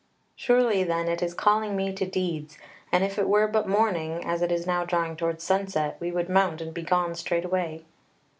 Surely then it is calling me to deeds, and if it were but morning, as it is now drawing towards sunset, we would mount and be gone straightway."